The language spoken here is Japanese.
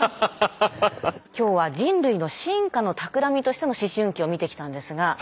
今日は人類の進化のたくらみとしての思春期を見てきたんですが。